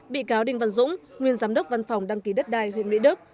bị cáo đinh văn dũng nguyên giám đốc văn phòng đăng ký đất đai huyện mỹ đức